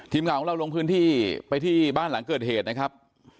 ทีมข่าวของเราลงพื้นที่ไปที่บ้านหลังเกิดเหตุนะครับ